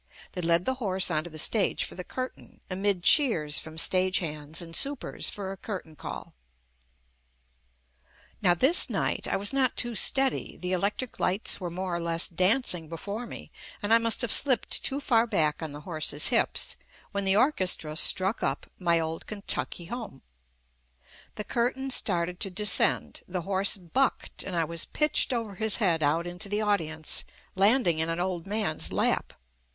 They led the horse onto the stage for the curtain, amid cheers from stagehands and supers for a curtain call. Now this night I was not too steady — the electric lights were more or less dancing before me and I must have slipped too far back on the JUST ME horse's hips, when the orchestra struck up "My Old Kentucky Home" The curtain started to descend, the horse bucked, and I was pitched over his head out into the audience, landing in an old man's lap.